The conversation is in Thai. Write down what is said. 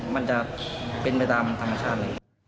มันจะเป็นไปตามธรรมชาติเลย